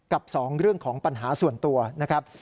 กับ๒เรื่องของปัญหาส่วนตัวนะครับ